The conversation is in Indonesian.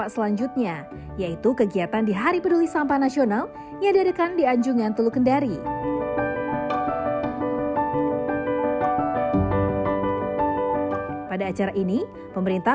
sayang itu udah col quarter ini ya